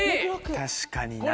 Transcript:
確かにな。